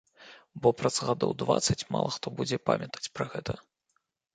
Бо праз гадоў дваццаць мала хто будзе памятаць пра гэта.